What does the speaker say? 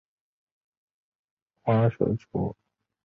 阔柱黄杨是黄杨科黄杨属的植物。